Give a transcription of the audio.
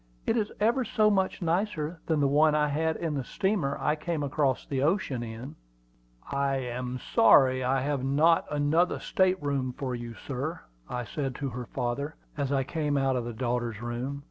"It is ever so much nicer than the one I had in the steamer I came across the ocean in!" "I am sorry I have not another state room for you, sir," I said to her father, as I came out of the daughter's room.